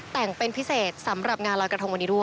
แต่งเป็นพิเศษสำหรับงานลอยกระทงวันนี้ด้วย